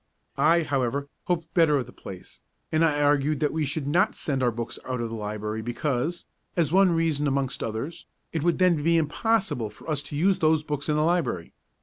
I, however, hoped better of the place, and I argued that we should not send our books out of the library, because as one reason amongst others it would then be impossible for us to use those books in the library.